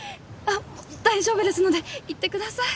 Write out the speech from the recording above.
大丈夫ですので行ってください